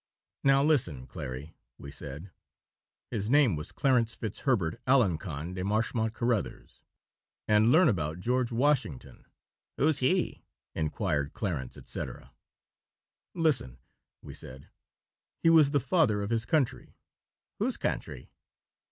"Now, listen, Clary," we said his name was Clarence Fitzherbert Alencon de Marchemont Caruthers "and learn about George Washington." "Who's he?" inquired Clarence, etc. "Listen," we said; "he was the father of his country." "Whose country?"